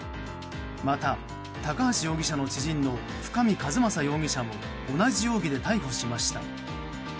また、高橋容疑者の知人の深見和政容疑者も同じ容疑で逮捕しました。